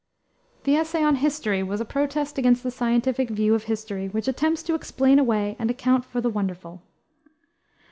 The essay on History was a protest against the scientific view of history which attempts to explain away and account for the wonderful.